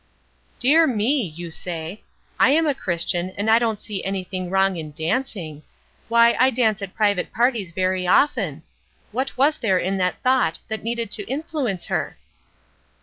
"Dear me!" you say, "I am a Christian, and I don't see anything wrong in dancing. Why, I dance at private parties very often. What was there in that thought that needed to influence her?"